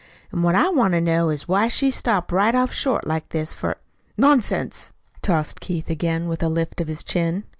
An' what I want to know is why she stopped right off short like this, for " "Nonsense!" tossed Keith again, with a lift of his chin.